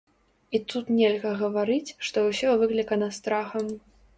І тут нельга гаварыць, што ўсё выклікана страхам.